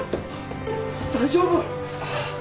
大丈夫？